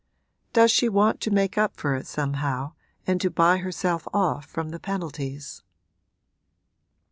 does she want to make up for it somehow and to buy herself off from the penalties?'